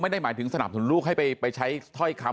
ไม่ได้หมายถึงสนับสนุนลูกให้ไปใช้ถ้อยคำ